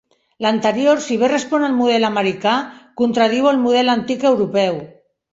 L'anterior, si bé respon al model americà, contradiu el model antic europeu.